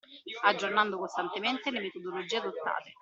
Aggiornando costantemente le metodologie adottate.